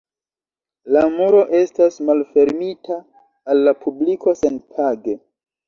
La muro estas malfermita al la publiko senpage.